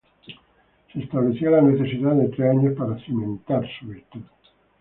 Se establecía la necesidad de tres años para "cimentar" su virtud.